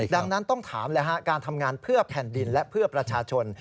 ดังนั้นต้องถามเลยฮะการทำงานเพื่อแผ่นดินและเพื่อประชาชน